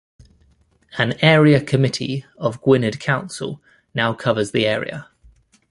An area committee of Gwynedd Council now covers the area.